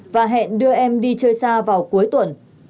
và hẹn đưa em đi chơi xa vào cuối tuần